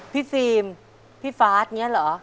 ซีมพี่ฟาร์ดอย่างนี้เหรอ